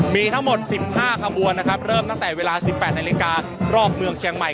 มีทั้งหมด๑๕ขบวนนะครับเริ่มตั้งแต่เวลา๑๘นาฬิการอบเมืองเชียงใหม่